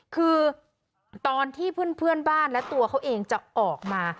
คือตอนที่เพื่อนบ้านและตัวเขาเองจะออกมา